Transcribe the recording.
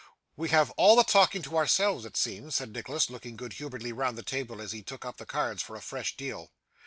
'We have all the talking to ourselves, it seems,' said Nicholas, looking good humouredly round the table as he took up the cards for a fresh deal.